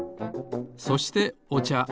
そしておちゃ。